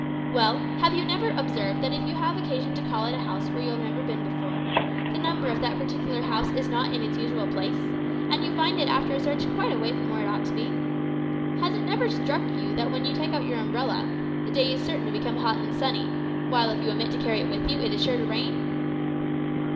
"Well, have you never observed that if you have occasion to call at a house where you have never been before, the number of that particular house is not in its usual place, and you find it after a search quite away from where it ought to be? Has it never struck you that when you take out your umbrella, the day is certain to become hot and sunny; while, if you omit to carry it with you, it is sure to rain?"